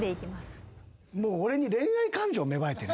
もう俺に恋愛感情芽生えてる。